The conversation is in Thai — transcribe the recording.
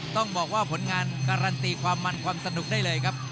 ต้องบอกว่าผลงานการันตีความมันความสนุกได้เลยครับ